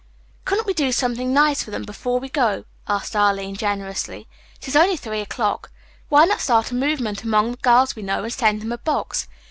"Couldn't we do something nice for them before we go?" asked Arline generously. "It is only three o 'clock. Why not start a movement among the girls we know and send them a box?